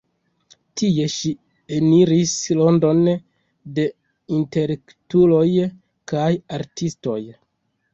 Tie ŝi eniris rondon de intelektuloj kaj artistoj.